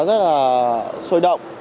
rất là sôi động